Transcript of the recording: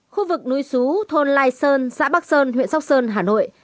khu vực núi xú thôn lai sơn xã bắc sơn huyện sóc sơn hà nội